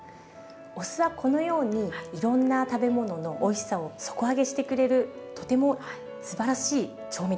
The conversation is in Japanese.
お酢はこのようにいろんな食べ物のおいしさを底上げしてくれるとてもすばらしい調味料なんです。